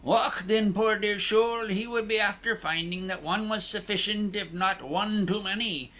Och, then, poor dear shoul, he would be after finding that one was sufficient, if not one too many.